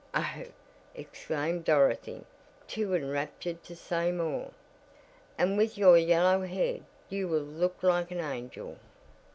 "Oh!" exclaimed Dorothy, too enraptured to say more. "And with your yellow head you will look like an angel."